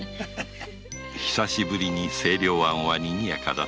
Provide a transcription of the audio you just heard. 久しぶりに清涼庵はにぎやかだった。